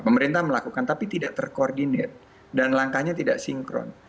pemerintah melakukan tapi tidak terkoordinir dan langkahnya tidak sinkron